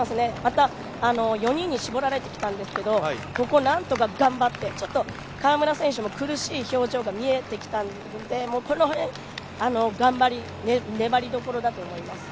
また、４人に絞られてきたんですけど、ここなんとか頑張ってちょっと川村選手も苦しい表情が見えてきたので、この頑張り、粘りどころだと思います。